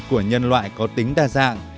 của nhân loại có tính đa dạng